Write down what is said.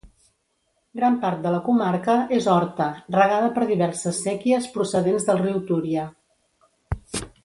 Gran part de la comarca és horta, regada per diverses séquies procedents del riu Túria.